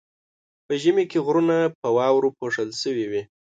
په ژمي کې غرونه په واورو پوښل شوي وي.